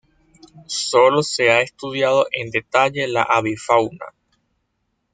Sólo se ha estudiado en detalle la avifauna.